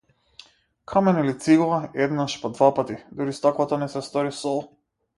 Камен или цигла, еднаш, па двапати, дури стаклото не се стори сол.